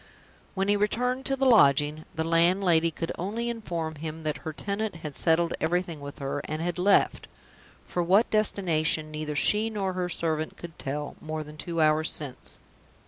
When he returned to the lodging, the landlady could only inform him that her tenant had settled everything with her, and had left (for what destination neither she nor her servant could tell) more than two hours since.